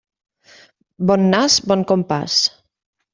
Bon nas, bon compàs.